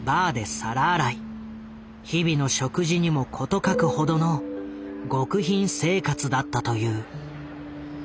日々の食事にも事欠くほどの極貧生活だったという。